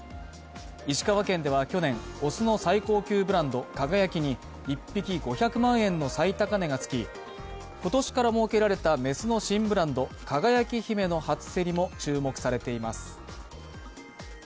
石川県では去年、雄の最高級ブランド、輝に１匹５００万円の最高値がつき、今年から設けられた雌の新ブランド、輝姫の初競りも注目されています。